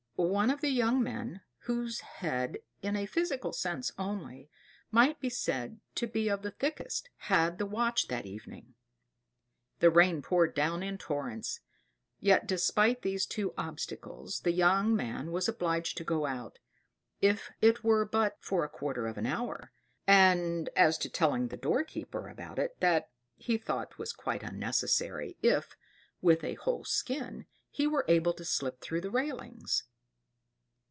One of the young men, whose head, in a physical sense only, might be said to be of the thickest, had the watch that evening. The rain poured down in torrents; yet despite these two obstacles, the young man was obliged to go out, if it were but for a quarter of an hour; and as to telling the door keeper about it, that, he thought, was quite unnecessary, if, with a whole skin, he were able to slip through the railings.